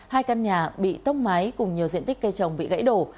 hai căn nhà bị tốc máy cùng nhiều diện tích cây trồng bị gãy đổ